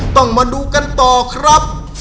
ต้องมาดูกันต่อครับ